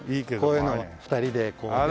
こういうの２人でこぐのね。